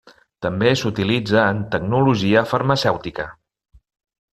També s'utilitza en Tecnologia Farmacèutica.